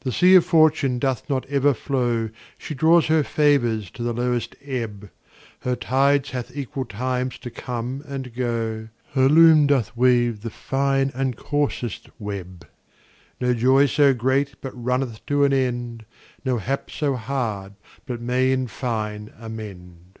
The sea of Fortune doth not ever flow, She draws her favours to the lowest ebb; Her tides hath equal times to come and go, Her loom doth weave the fine and coarsest web; 10 No joy so great but runneth to an end, No hap so hard but may in fine amend.